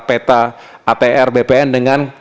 peta atr bpn dengan